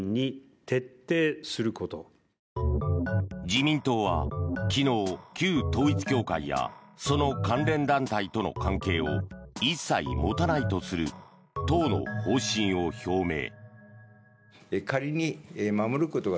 自民党は昨日、旧統一教会やその関連団体との関係を一切持たないとする党の方針を表明。